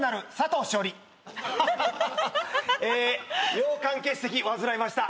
尿管結石患いました。